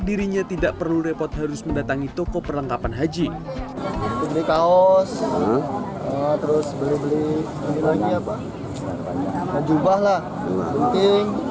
dirinya tidak perlu repot harus mendatangi toko perlengkapan haji beri kaos terus beli beli